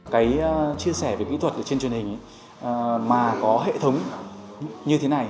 cái chia sẻ về kỹ thuật trên truyền hình mà có hệ thống như thế này